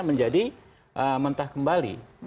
menjadi mentah kembali